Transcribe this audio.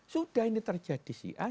sudah ini terjadi si a